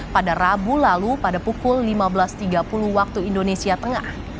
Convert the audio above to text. pada rabu lalu pada pukul lima belas tiga puluh waktu indonesia tengah